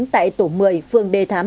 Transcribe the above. tại tổ một mươi phường đề thám